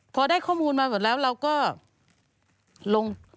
พอได้ข้อมูลมาหมดแล้วเราก็ลง